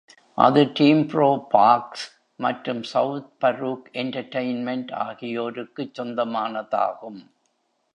அது Team Bro Parks மற்றும் South Park Entertainment ஆகியோருக்குச் சொந்தமானதாகும்.